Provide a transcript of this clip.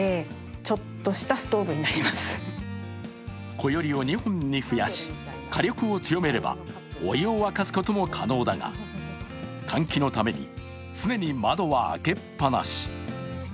こよりを２本に増やし、火力を強めればお湯を沸かすことも可能だが換気のために常に窓は開けっぱなし。